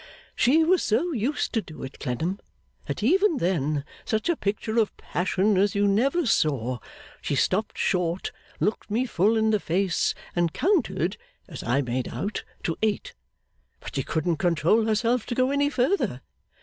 'She was so used to do it, Clennam, that even then, such a picture of passion as you never saw, she stopped short, looked me full in the face, and counted (as I made out) to eight. But she couldn't control herself to go any further.